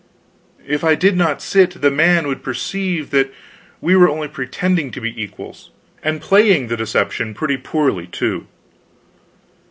"If I did not sit, the man would perceive that we were only pretending to be equals and playing the deception pretty poorly, too."